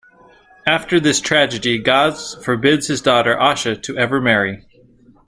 After this tragedy, Gaz forbids his daughter Asha to ever marry.